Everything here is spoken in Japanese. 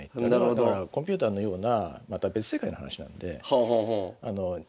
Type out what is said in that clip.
だからコンピューターのようなまた別世界の話なんで。